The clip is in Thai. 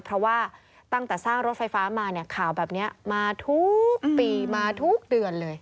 เพราะว่าตั้งแต่สร้างรถไฟฟ้ามาเนี่ยข่าวแบบนี้มาทุกปีมาทุกเดือนเลย